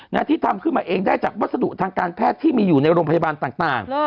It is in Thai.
ที่ทำขึ้นมาเองได้จากวัสดุทางการแพทย์ที่มีอยู่ในโรงพยาบาลต่าง